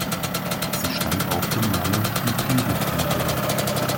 Sie stand auch dem Maler Goupil Modell.